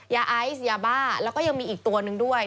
ยาไอซ์ยาบ้าแล้วก็ยังมีอีกตัวหนึ่งด้วย